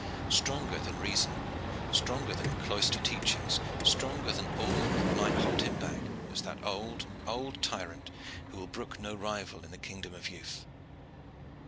Stronger than reason, stronger than cloister teachings, stronger than all that might hold him back, was that old, old tyrant who will brook no rival in the kingdom of youth.